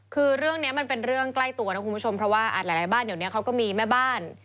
คือเรื่องนี้มันเป็นเรื่องใกล้ตัวนะคุณผู้ชมเพราะว่าหลายบ้านเดี๋ยวนี้เขาก็มีแม่บ้าน